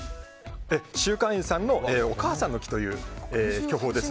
秀果園さんのお母さんの樹という巨峰です。